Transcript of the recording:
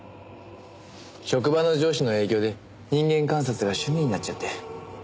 職場の上司の影響で人間観察が趣味になっちゃって。